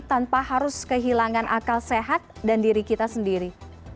tanpa harus kehilangan akal sehat dan diri kita sendiri